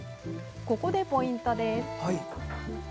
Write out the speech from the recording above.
ここでポイントです。